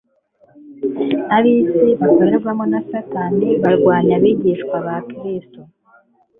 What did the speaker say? Ab'isi bakorerwamo na Satani, barwanya abigishwa ba Kristo,